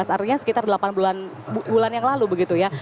artinya sekitar delapan bulan yang lalu begitu ya